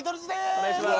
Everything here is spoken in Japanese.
お願いします。